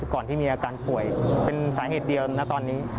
ก่อนที่มีอาการป่วยเป็นสาเหตุเดียวนะตอนนี้